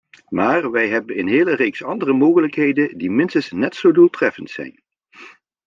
Maar wij hebben een hele reeks andere mogelijkheden die minstens net zo doeltreffend zijn.